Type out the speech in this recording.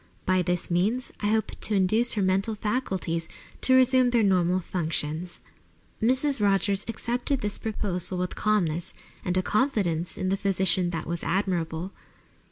By this means I hope to induce her mental faculties to resume their normal functions." Mrs. Rogers accepted this proposal with calmness and a confidence in the physician that was admirable.